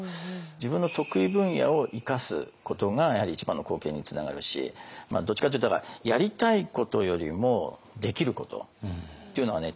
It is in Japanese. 自分の得意分野を生かすことがやはり一番の貢献につながるしどっちかっていうとだからやりたいことよりもできることっていうのはね